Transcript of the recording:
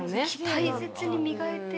大切に磨いて。